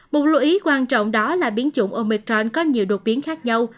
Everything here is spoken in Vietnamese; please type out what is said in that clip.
một lưu ý quan trọng đó là biến chủng omicron có nhiều đột biến khác nhau